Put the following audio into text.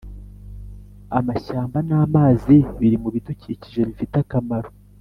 Amashyamba namazi biri mu bidukikije bifite akamaro